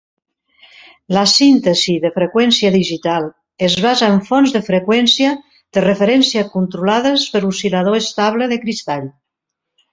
La síntesi de freqüència digital es basa en fonts de freqüència de referència controlades per oscil·lador estable de cristall.